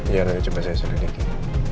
ya nanti coba saya suruh dikit